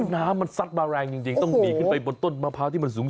น้ำมันซัดมาแรงจริงต้องหนีขึ้นไปบนต้นมะพร้าวที่มันสูง